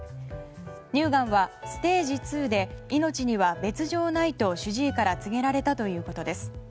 乳がんはステージ２で命には別条ないと主治医から告げられたということです。